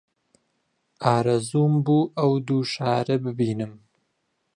ئارەزووم بوو ئەو دوو شارە ببینم